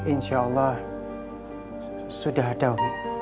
insya allah sudah ada